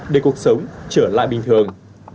để cuộc sống trở lại bình thường